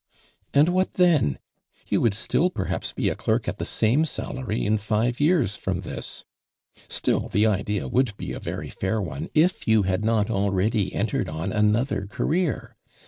''•' And, what then ? You would still per haps bo a clerk at the same salary in tive years from this. Still, the idea would be a very fair one if you had not already enter ed on another career.